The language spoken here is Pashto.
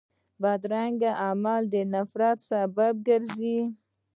بدرنګه عمل د نفرت سبب ګرځي